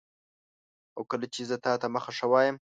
او کله چي زه تاته مخه ښه وایم